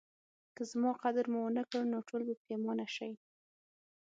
که زما قدر مو ونکړ نو ټول به پخیمانه شئ